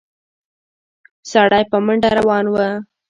سړی په منډه روان و.